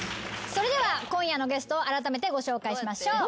それでは今夜のゲストをあらためてご紹介しましょう。